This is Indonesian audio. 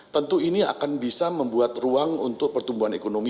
tentu ini akan bisa membuat ruang untuk pertumbuhan ekonomi